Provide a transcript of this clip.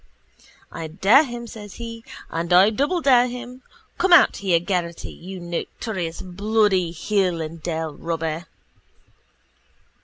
I dare him, says he, and I doubledare him. Come out here, Geraghty, you notorious bloody hill and dale robber!